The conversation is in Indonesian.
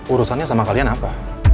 urusannya sama kalian apa